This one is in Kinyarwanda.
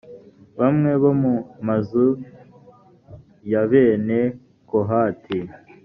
bamwe bo mu mazu ya bene kohati